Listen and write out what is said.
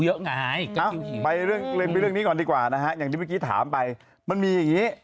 อย่างที่เมื่อกี้ถามไปมันมีอย่างนี้